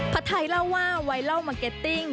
ไทยเล่าว่าไวรัลมาร์เก็ตติ้ง